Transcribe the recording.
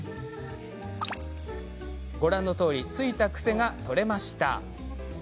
ご覧のとおりついた癖が取れました。